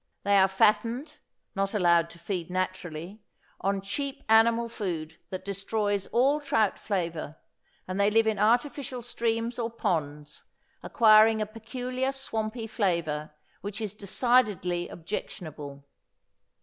They are fattened (not allowed to feed naturally) on cheap animal food that destroys all trout flavor; and they live in artificial streams or ponds, acquiring a peculiar swampy flavor which is decidedly objectionable.